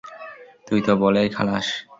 তুই তো বলেই খালাস।